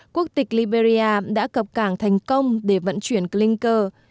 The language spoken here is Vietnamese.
quốc tịch liberia đã cập cảng thành công để vận chuyển clinker